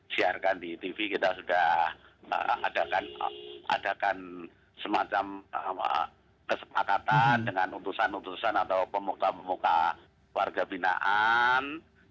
siarkan di tv kita sudah adakan semacam kesepakatan dengan utusan utusan atau pemuka pemuka warga binaan